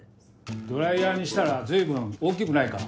ドライヤーにしたらずいぶん大きくないか？